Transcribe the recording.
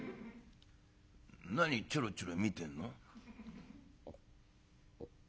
何ちょろちょろ見てんの？」。